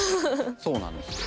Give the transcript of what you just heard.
そうなんですよ。